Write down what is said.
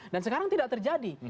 dan sekarang tidak terjadi